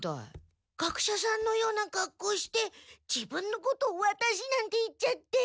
学者さんのような格好して自分のことを「ワタシ」なんて言っちゃって。